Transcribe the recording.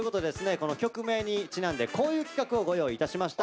この曲名にちなんでこういう企画をご用意いたしました。